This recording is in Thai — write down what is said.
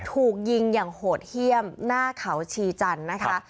ถูกยิงอย่างโหดเยี่ยมหน้าเขาชีจันทร์นะคะ